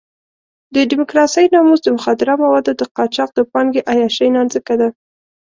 د ډیموکراسۍ ناموس د مخدره موادو د قاچاق د پانګې عیاشۍ نانځکه ده.